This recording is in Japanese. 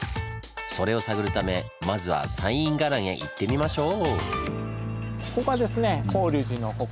それを探るためまずは西院伽藍へ行ってみましょう！